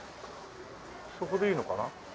そこでいいのかな？